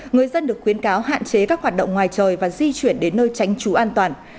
người dân được khuyến cáo hạn chế các hoạt động ngoài trời và di chuyển đến nơi tránh trú an toàn